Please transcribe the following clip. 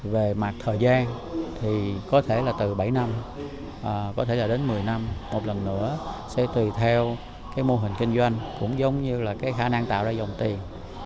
về mặt thời gian thì có thể là từ bảy năm có thể là đến một mươi năm một lần nữa sẽ tùy theo cái mô hình kinh doanh cũng giống như là cái khả năng tạo ra dòng tiền